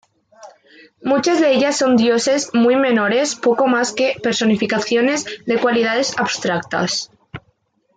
Muchas de ellas son dioses muy menores, poco más que personificaciones de cualidades abstractas.